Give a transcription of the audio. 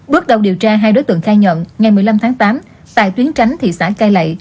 bước đầu điều tra hai đối tượng khai nhận ngày một mươi năm tháng tám tại tuyến tránh thị xã cai lậy